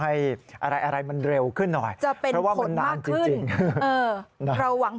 ให้อะไรมันเร็วขึ้นหน่อยเพราะว่ามันนานจริงเราหวัง